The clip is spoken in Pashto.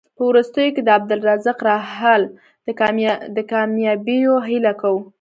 په وروستیو کې د عبدالرزاق راحل د کامیابیو هیله کوو.